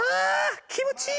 気持ちいい！